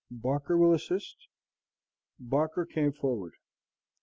Barker will assist?" Barker came forward.